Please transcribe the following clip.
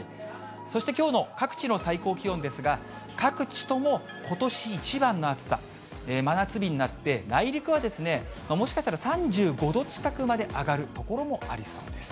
そしてきょうの各地の最高気温ですが、各地ともことし一番の暑さ、真夏日になって、内陸はもしかしたら３５度近くまで上がる所もありそうです。